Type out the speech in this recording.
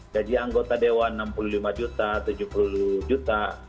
jadi anggota dewan enam puluh lima juta tujuh puluh juta